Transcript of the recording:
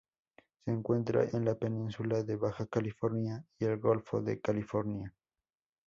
Se encuentra en la Península de Baja California y el Golfo de California.